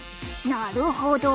なるほど。